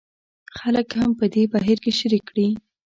خلک هم په دې بهیر کې شریک کړي.